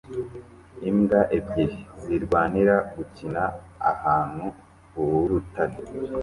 Imbwa ebyiri zirwanira gukina ahantu h'urutare